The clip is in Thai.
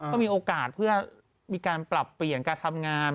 ก็มีโอกาสเพื่อมีการปรับเปลี่ยนการทำงาน